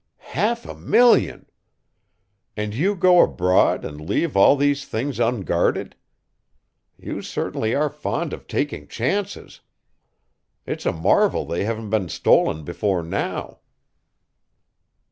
"Half a million! And you go abroad and leave all these things unguarded? You certainly are fond of taking chances. It's a marvel they haven't been stolen before now."